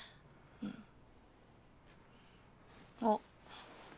うん。あっ。